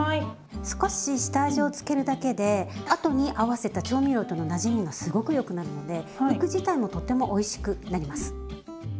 少し下味をつけるだけで後に合わせた調味料とのなじみがすごくよくなるので肉自体もとてもおいしくなります。